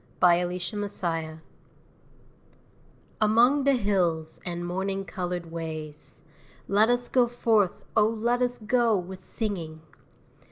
CHRYSELEPHANTINE I Among the hills and morning colored ways Let us go forth, oh, let us go with singing!